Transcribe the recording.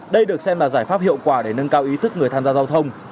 đây được xem là giải pháp hiệu quả để nâng cao ý thức người tham gia giao thông